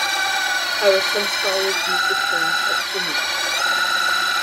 However some scholars use the terms as synonyms.